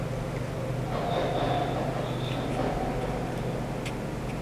Aceasta nu este pur și simplu o competiție.